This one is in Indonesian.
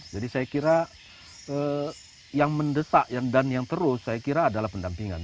jadi saya kira yang mendesak dan yang terus saya kira adalah pendampingan